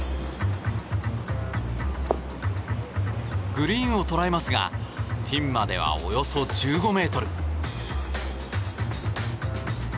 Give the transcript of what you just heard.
グリーンを捉えますがピンまでは、およそ１５ｍ。